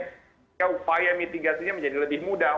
sehingga upaya mitigasinya menjadi lebih mudah